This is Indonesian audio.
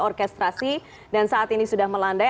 orkestrasi dan saat ini sudah melandai